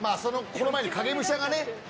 この前に影武者がね